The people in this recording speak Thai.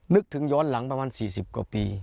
นึกถึงย้อนหลังประมาณ๔๐กว่าปี